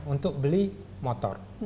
untuk beli motor